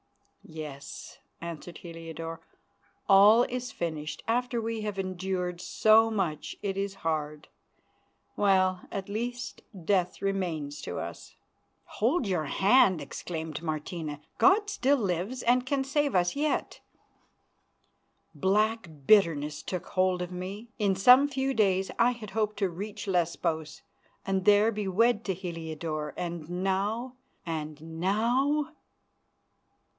"Yes," answered Heliodore, "all is finished. After we have endured so much it is hard. Well, at least death remains to us." "Hold your hand," exclaimed Martina. "God still lives and can save us yet." Black bitterness took hold of me. In some few days I had hoped to reach Lesbos, and there be wed to Heliodore. And now! And now!